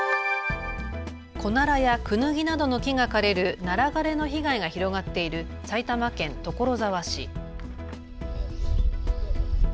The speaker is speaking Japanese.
コナラやクヌギなどの木が枯れるナラ枯れの被害が広がっている埼玉県所沢市。